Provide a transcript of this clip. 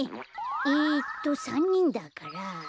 えっと３にんだから。